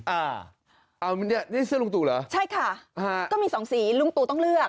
อ่าเอาเนี่ยนี่เสื้อลุงตู่เหรอใช่ค่ะก็มีสองสีลุงตู่ต้องเลือก